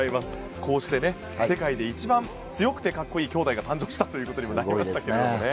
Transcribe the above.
こうして世界で一番強くて格好いい兄妹が誕生したということにもなりましたけどね。